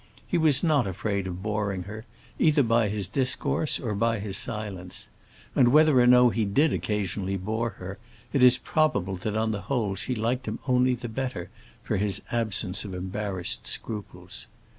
He was not afraid of boring her, either by his discourse or by his silence; and whether or no he did occasionally bore her, it is probable that on the whole she liked him only the better for his absence of embarrassed scruples.